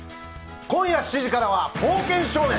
今夜７時からは「冒険少年」。